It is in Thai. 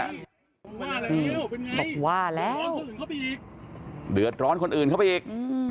ว่าแล้วเป็นไงบอกว่าแล้วเดือดร้อนคนอื่นเข้าไปอีก